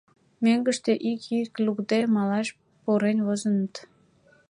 Мӧҥгыштӧ, ик йӱк лукде, малаш пурен возыныт.